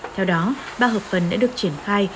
theo đó ba hợp phần đã được triển khai